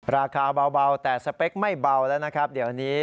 ราคาเบาแต่สเปคไม่เบาแล้วนะครับเดี๋ยวนี้